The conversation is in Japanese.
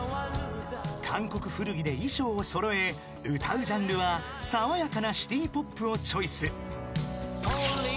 ［韓国古着で衣装を揃え歌うジャンルは爽やかなシティポップをチョイス］